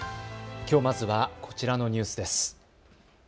きょうまずはこちらのニュースです。